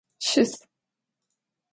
Şıs!